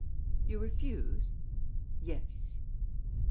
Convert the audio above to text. "You refuse?" "Yes."